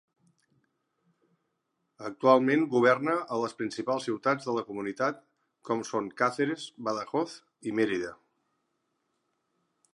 Actualment governa a les principals ciutats de la comunitat com són Càceres, Badajoz i Mèrida.